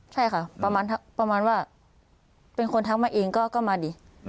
ใช่ค่ะประมาณว่าเป็นคนทักมาเองก็มาดิ